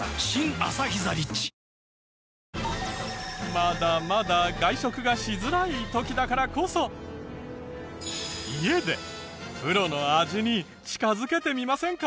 まだまだ外食がしづらい時だからこそ家でプロの味に近づけてみませんか？